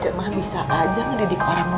cucu mah bisa aja mendidik orang lain